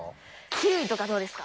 キウイとか、どうですか？